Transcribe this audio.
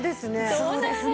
そうですね。